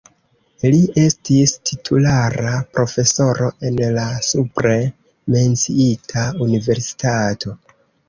Li estis titulara profesoro en la supre menciita universitato.